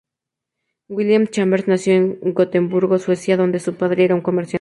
William Chambers nació en Gotemburgo, Suecia, donde su padre era un comerciante.